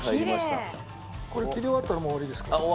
これ切り終わったらもう終わりですから。